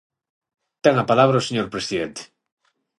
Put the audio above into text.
Ten a palabra o señor presidente.